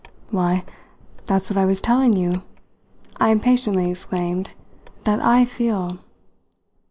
"Why, that's what I was telling you," I impatiently exclaimed, "that I feel!"